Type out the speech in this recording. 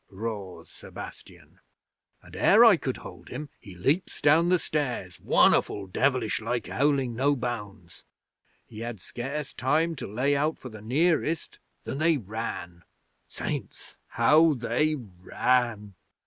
roars Sebastian, and ere I could hold him, he leaps down the stairs won'erful devilish like howling no bounds. He had scarce time to lay out for the nearest than they ran. Saints, how they ran!